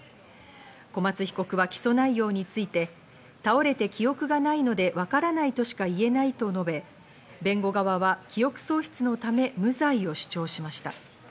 小松被告は起訴内容について、倒れて記憶がないので分からないとしか言えないと述べ、弁護側は記憶喪失のため、無罪を主張しました。